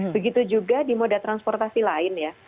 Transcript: begitu juga di moda transportasi lain ya